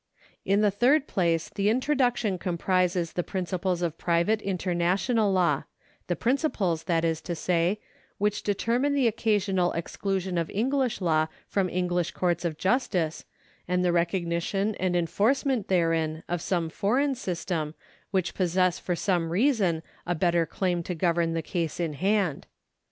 In the third place the Introduction comprises the principles of private international law — the principles, that is to say, which determine the occasional exclusion of English law from Enghsh courts of justice, and the recognition and enforcement therein of some foreign system which possesses for some reason a better claim to govern the case in hand.